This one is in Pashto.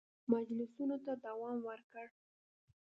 مجلسونو ته دوام ورکړ.